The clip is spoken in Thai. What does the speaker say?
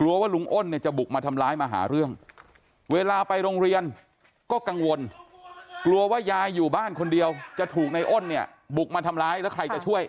กลัวว่าลุงอ้นเนี่ยจะบุกมาทำร้ายมาหาเรื่องเวลาไปโรงเรียนก็กังวลกลัวว่ายายอยู่บ้านคนเดียวจะถูกในอ้นเนี่ยบุกมาทำร้ายแล้วใครจะช่วย